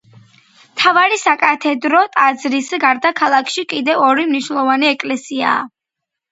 მთავარი საკათედრო ტაძრის გარდა ქალაქში კიდევ ორი მნიშვნელოვანი ეკლესიაა.